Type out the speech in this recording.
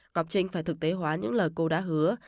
ngọc trinh phải thực tế hóa những lời cô đã hứa